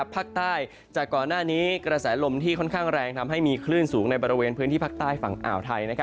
ภาคใต้จากก่อนหน้านี้กระแสลมที่ค่อนข้างแรงทำให้มีคลื่นสูงในบริเวณพื้นที่ภาคใต้ฝั่งอ่าวไทย